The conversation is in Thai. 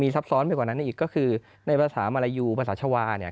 ซับซ้อนไปกว่านั้นอีกก็คือในภาษามารยูภาษาชาวาเนี่ย